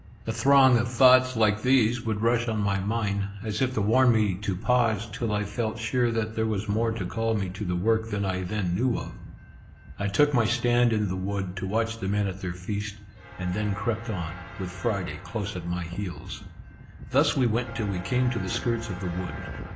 A throng of thoughts like these would rush on my mind, as if to warn me to pause, till I felt sure that there was more to call me to the work than I then knew of. I took my stand in the wood, to watch the men at their feast, and then crept on, with Friday close at my heels. Thus we went till we came to the skirts of the wood.